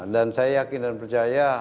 dan saya yakin dan percaya